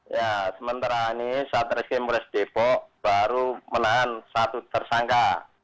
ya sementara ini saat resim polres depok baru menahan satu tersangka